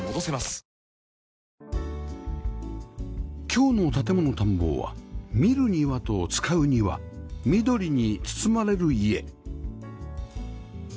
今日の『建もの探訪』は見る庭と使う庭緑に包まれる家